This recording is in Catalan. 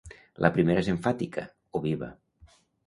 La primera és emfàtica, o viva.